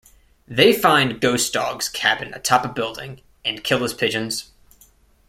They find Ghost Dog's cabin atop a building and kill his pigeons.